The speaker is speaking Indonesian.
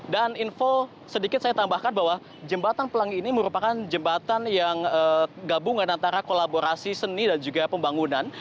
dan info sedikit saya tambahkan bahwa jembatan pelangi ini merupakan jembatan yang gabungan antara kolaborasi seni dan juga pembangunan